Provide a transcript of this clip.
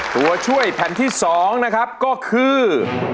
ตัวช่วยแผ่นที่๒นะครับก็คือ